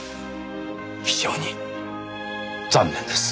非常に残念です。